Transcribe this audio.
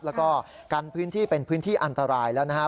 แล้วก็กันพื้นที่เป็นพื้นที่อันตรายแล้วนะครับ